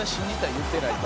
言ってないと」